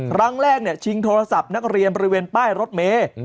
ครั้งแรกชิงโทรศัพท์นักเรียนบริเวณป้ายรถเมย์